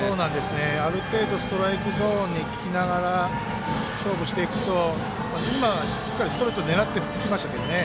ある程度ストライクゾーンにきながら勝負していくと今、しっかりストレートを狙って振ってきましたけどね。